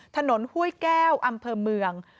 ถนนหุ้ยแก้วอำเภอเมือง